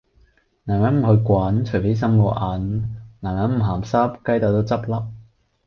男人唔去滾，除非身冇銀;男人唔鹹濕，雞竇都執粒!